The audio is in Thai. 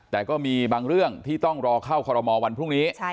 แต่ก็มีบางเรื่องที่ต้องรอเข้าคอรมอลวันพรุ่งนี้